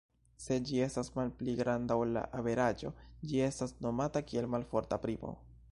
Se ĝi estas malpli granda ol la averaĝo ĝi estas nomata kiel malforta primo.